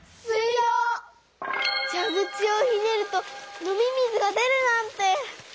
じゃぐちをひねると飲み水が出るなんて！